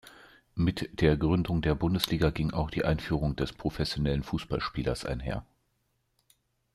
Mit der Gründung der Bundesliga ging auch die Einführung des professionellen Fußballspielers einher.